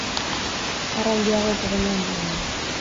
Arra handiagoa izaten da emea baino.